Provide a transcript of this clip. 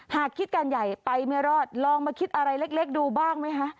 หากคิดการใหญ่ไปไม่รอดลองมาคิดอะไรเล็กดูบ้างไหมคะ